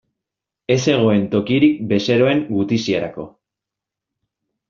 Ez zegoen tokirik bezeroen gutiziarako.